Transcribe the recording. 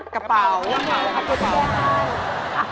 กระเป๋าครับกระเป๋า